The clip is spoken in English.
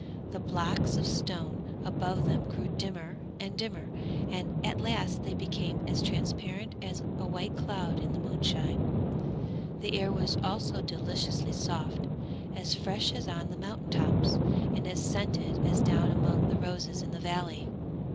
The blocks of stone above them grew dimmer and dimmer, and at last they became as transparent as a white cloud in the moonshine. The air was also deliciously soft, as fresh as on the mountain tops and as scented as down among the roses in the valley.